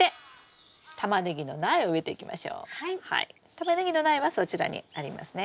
タマネギの苗はそちらにありますね。